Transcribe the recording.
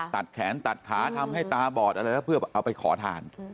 ตัดแขนตัดขาทำให้ตาบอดอะไรแล้วเพื่อเอาไปขอทาน